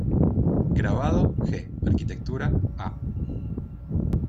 Grabado: g. Arquitectura: a.